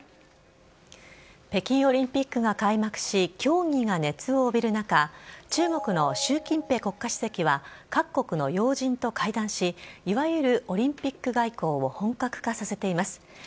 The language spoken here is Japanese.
北京オリンピックが開幕し、競技が熱を帯びる中、中国の習近平国家主席は各国の要人と会談し、いわゆるオリンピック外交を本格化させています。